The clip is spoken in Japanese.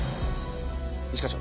一課長。